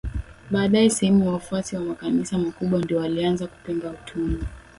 baadaye sehemu ya wafuasi wa makanisa makubwa ndio walianza kupinga utumwa